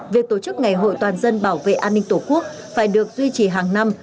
việc tổ chức ngày hội toàn dân bảo vệ an ninh tổ quốc phải được duy trì hàng năm